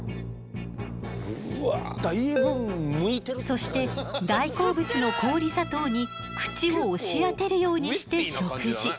そして大好物の氷砂糖に口を押し当てるようにして食事。